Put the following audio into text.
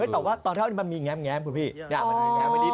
แต่ว่าตอนเข้ามันมีแง่ผลพูดพี่